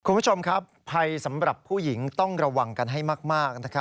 คุณผู้ชมครับภัยสำหรับผู้หญิงต้องระวังกันให้มาก